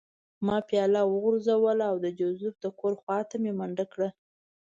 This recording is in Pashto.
ما پیاله وغورځوله او د جوزف د کور خوا ته مې منډه کړه